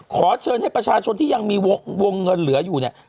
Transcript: ขอเชิญให้ประชาชนที่ยังมีวงเงินเหลืออยู่เนี่ย